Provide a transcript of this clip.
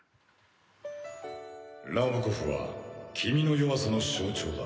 ラブコフは君の弱さの象徴だ。